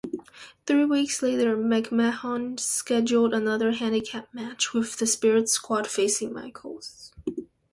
Three weeks later, McMahon scheduled another handicap match, with The Spirit Squad facing Michaels.